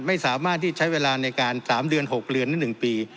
ไม่สามารถที่ใช้เวลาในการ๓เดือน๖เดือนหรือ๑ปี